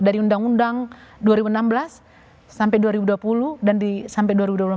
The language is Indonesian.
dari undang undang dua ribu enam belas sampai dua ribu dua puluh dan sampai dua ribu dua puluh empat